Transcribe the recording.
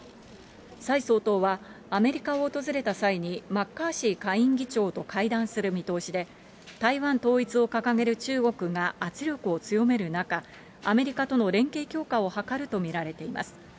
蔡総統は、アメリカを訪れた際にマッカーシー下院議長と会談する見通しで、台湾統一を掲げる中国が圧力を強める中、アメリカとの連携強化を図ると見られています。